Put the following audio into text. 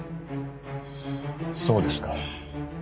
そうですか。